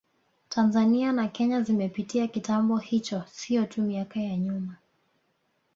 Tanzania na Kenya zimepitia kitambo hicho sio tu miaka ya nyuma